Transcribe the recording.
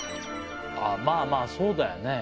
まあまあそうだよね。